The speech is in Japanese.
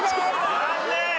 残念！